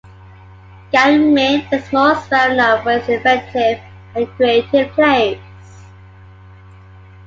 Kang Min is most well known for his inventive and creative plays.